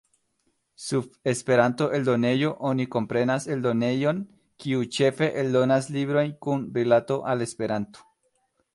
Sub "Esperanto-eldonejo" oni komprenas eldonejon, kiu ĉefe eldonas librojn kun rilato al Esperanto.